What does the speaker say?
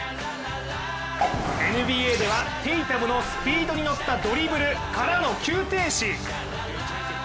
ＮＢＡではテイタムのスピードにのったドリブルからの急停止。